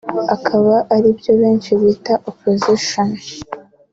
akaba ari byo benshi bita « Opposition »